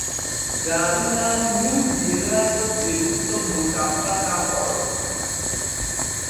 Daado laatinun yeyraajo tedduɗo mo tanpata koɗo.